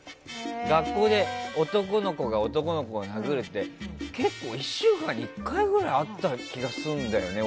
学校で男の子が男の子を殴るって結構、１週間に１回ぐらいあった気がするんだよね